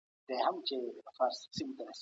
ژبي له شعرونو سره ورته والی لري» حال دا چي په